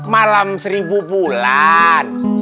malam seribu bulan